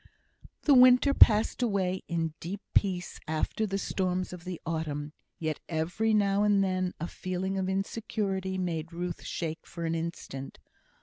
The winter passed away in deep peace after the storms of the autumn, yet every now and then a feeling of insecurity made Ruth shake for an instant.